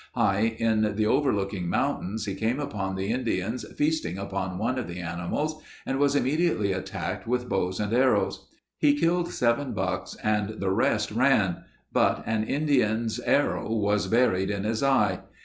High in the overlooking mountains he came upon the Indians feasting upon one of the animals and was immediately attacked with bows and arrows. He killed seven bucks and the rest ran, but an Indian's arrow was buried in his eye.